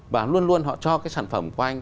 và luôn luôn họ cho cái sản phẩm của anh